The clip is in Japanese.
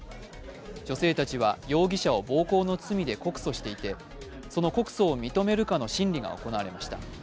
女性たちは、容疑者を暴行の罪で告訴していてその告訴を認めるかの審理が行われました。